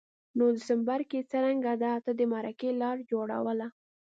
نو دسمبر کي یې څرنګه ده ته د مرکې لار جوړوله